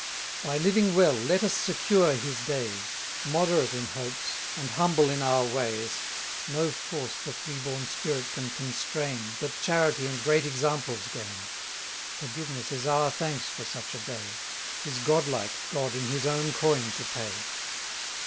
By living well, let us secure his days; Moderate in hopes, and humble in our ways, 300 No force the free born spirit can constrain, But charity and great examples gain. Forgiveness is our thanks for such a day: 'Tis god like God in his own coin to pay.